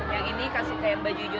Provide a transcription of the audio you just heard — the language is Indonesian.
yang ini kasih ke mbak jujur